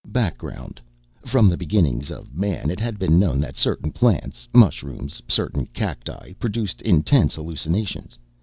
Background: From the beginnings of Man, it had been known that certain plants mushrooms, certain cacti produced intense hallucinations.